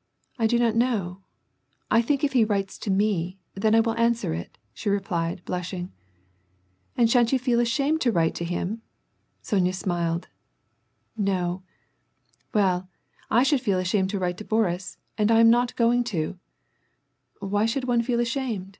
" I do not know. I think if he writes to me, then I will answer it," she replied, blushing. " And sha'n't you feel ashamed to write him ?" Sonya smiled, — «No/' " Well, I should feel ashamed to write to Boris, and I am not going to." "Why should one feel ashamed